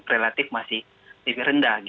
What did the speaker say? relatif masih lebih rendah